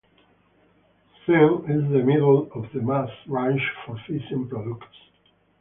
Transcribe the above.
Sn is in the middle of the mass range for fission products.